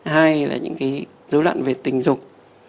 hai là những cái dối loạn về tình dục